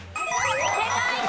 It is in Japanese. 正解！